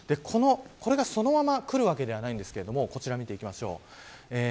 これがそのまま来るわけではないんですけれどもこちら見ていきましょう。